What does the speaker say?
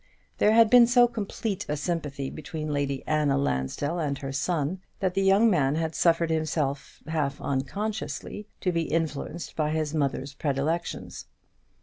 There had been so complete a sympathy between Lady Anna Lansdell and her son, that the young man had suffered himself, half unconsciously, to be influenced by his mother's predilections.